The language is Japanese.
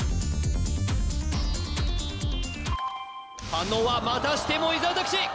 反応はまたしても伊沢拓司